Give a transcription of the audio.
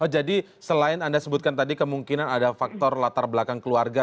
jadi selain anda sebutkan tadi kemungkinan ada faktor latar belakang keluarga